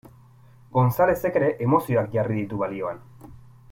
Gonzalezek ere emozioak jarri ditu balioan.